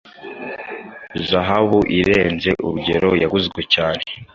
Zahabu irenze urugeroyaguzwe cyane